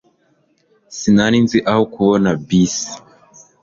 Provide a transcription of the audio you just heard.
sinari nzi aho kubona bisi